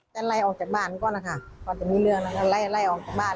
จะไล่ออกจากบ้านก่อนนะคะก็จะมีเรื่องแล้วก็ไล่ไล่ออกจากบ้าน